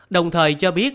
đồng thời cho biết